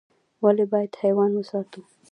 ولي بايد حيوانات وساتو؟